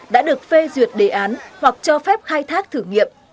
đã được phê duyệt đề án hoặc cho phép khai thác thử nghiệm